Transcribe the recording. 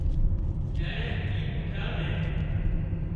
اينڻي اي ڪوترا نين